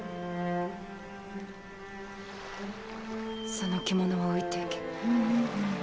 その着物は置いてゆけ。